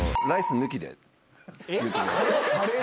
ライス抜き。